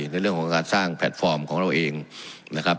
ในเรื่องของการสร้างแพลตฟอร์มของเราเองนะครับ